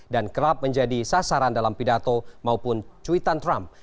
dan kerap menjadi sasaran dalam pidato maupun cuitan trump